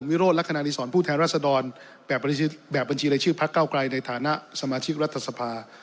โรธลักษณะรีสรผู้แทนรัศดรแบบบัญชีรายชื่อพักเก้าไกลในฐานะสมาชิกรัฐสภา